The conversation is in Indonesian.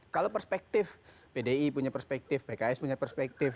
kalau perspektif pdi punya perspektif pks punya perspektif